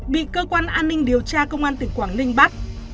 bị cơ quan an ninh điều tra công an tỉnh quảng ninh bắt